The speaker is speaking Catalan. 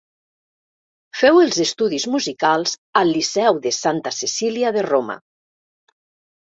Feu els estudis musicals al Liceu de Santa Cecília de Roma.